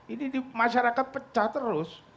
ini masyarakat pecah terus